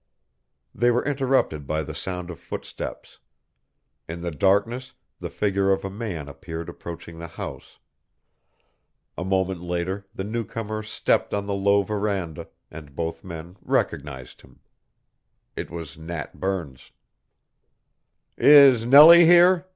They were interrupted by the sound of footsteps. In the darkness the figure of a man appeared approaching the house. A moment later the newcomer stepped on the low veranda, and both men recognized him. It was Nat Burns. "Is Nellie here?"